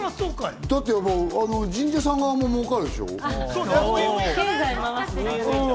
だって神社側さんももうかるでしょ。